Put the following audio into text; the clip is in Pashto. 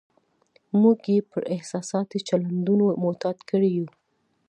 موږ یې پر احساساتي چلندونو معتاد کړي یو.